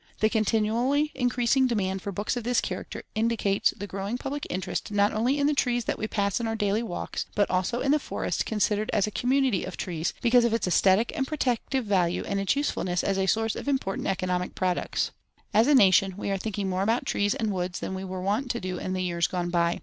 The continually increasing demand for books of this character indicates the growing public interest not only in the trees that we pass in our daily walks, but also in the forest considered as a community of trees, because of its aesthetic and protective value and its usefulness as a source of important economic products. As a nation, we are thinking more about trees and woods than we were wont to do in the years gone by.